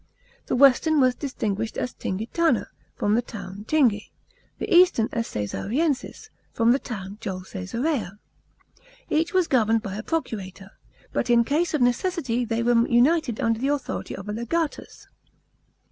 The western was distinguished as Tmgitana, from the town Tingi; the eastern as Csesariensis, from the town Jol Csesarea. Each was governed by a procurator; but in case of necessity they were united under the authority of a legatus.